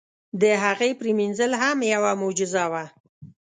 د هغې پرېمنځل هم یوه معجزه وه.